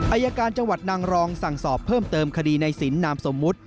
อายการจังหวัดนางรองสั่งสอบเพิ่มเติมคดีในสินนามสมมุติ